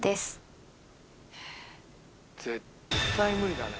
絶対無理だね。